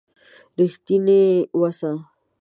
رښتيني وسه.